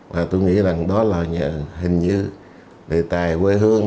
và tôi nghĩ rằng đó là hình như đề tài quê hương